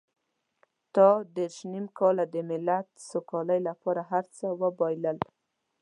تا دېرش نيم کاله د ملت سوکالۍ لپاره هر څه وبایلل.